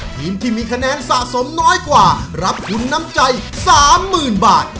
ทีมที่มีคะแนนสะสมน้อยกว่ารับทุนน้ำใจ๓๐๐๐บาท